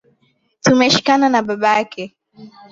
Tumeshikana na baba yake